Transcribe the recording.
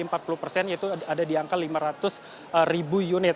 yaitu ada di angka lima ratus ribu unit